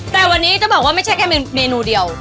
แต่วันนี้ต้องบอกไม่ใช่แค่เมนูเดียว